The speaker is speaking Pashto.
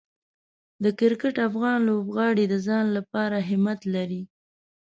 د کرکټ افغان لوبغاړي د ځان لپاره همت لري.